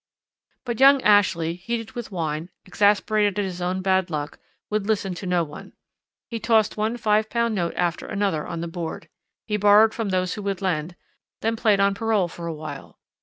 But young Ashley, heated with wine, exasperated at his own bad luck, would listen to no one; he tossed one £5 note after another on the board, he borrowed from those who would lend, then played on parole for a while.